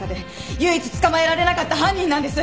唯一捕まえられなかった犯人なんです。